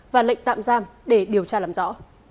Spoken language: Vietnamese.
và lệnh tạm giam để điều tra làm rõ